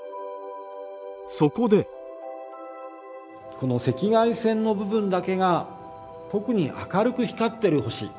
この赤外線の部分だけが特に明るく光っている星